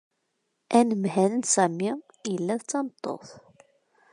Anemhal n Sami yella d tameṭṭut.